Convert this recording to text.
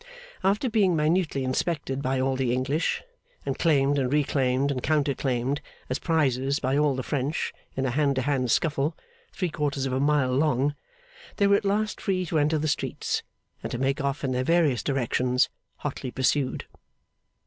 After being minutely inspected by all the English, and claimed and reclaimed and counter claimed as prizes by all the French in a hand to hand scuffle three quarters of a mile long, they were at last free to enter the streets, and to make off in their various directions, hotly pursued.